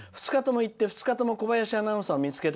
２日とも行って２日ともこばやしアナウンサーを見つけて